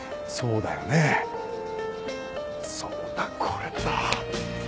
そうだこれだ！